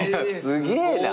すげえな。